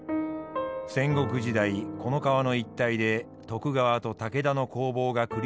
戦国時代この川の一帯で徳川と武田の攻防が繰り広げられました。